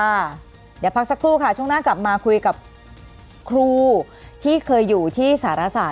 เดี๋ยวพักสักครู่ค่ะช่วงหน้ากลับมาคุยกับครูที่เคยอยู่ที่สารศาสต